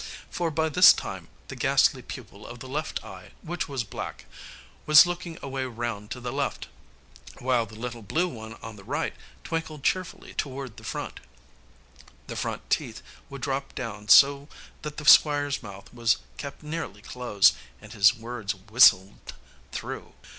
For by this time the ghastly pupil of the left eye, which was black, was looking away round to the left, while the little blue one on the right twinkled cheerfully toward the front. The front teeth would drop down so that the Squire's mouth was kept nearly closed, and his words whistled through.